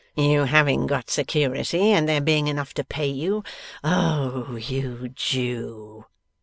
You having got security, and there being enough to pay you? Oh, you Jew!